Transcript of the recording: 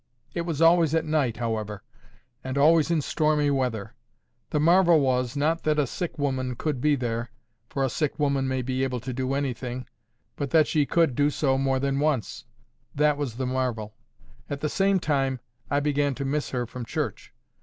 It was always at night, however, and always in stormy weather. The marvel was, not that a sick woman could be there—for a sick woman may be able to do anything; but that she could do so more than once—that was the marvel. At the same time, I began to miss her from church.